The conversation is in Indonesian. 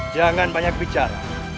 jangan banyak bicara